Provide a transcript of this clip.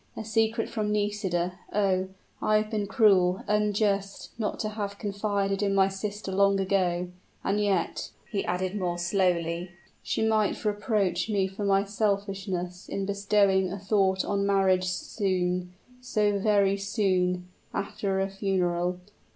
A secret from Nisida! Oh! I have been cruel, unjust, not to have confided in my sister long ago! And yet," he added more slowly, "she might reproach me for my selfishness in bestowing a thought on marriage soon, so very soon, after a funeral!